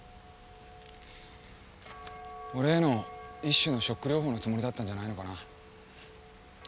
俺への一種のショック療法のつもりだったんじゃないのかな。